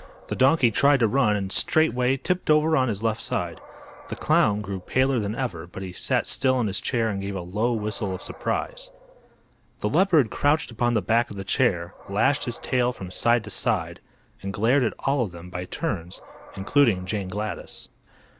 The donkey tried to run and straightway tipped over on his left side. The clown grew paler than ever, but he sat still in his chair and gave a low whistle of surprise. The leopard crouched upon the back of the chair, lashed his tail from side to side and glared at all of them, by turns, including Jane Gladys.